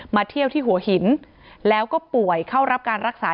เที่ยวที่หัวหินแล้วก็ป่วยเข้ารับการรักษา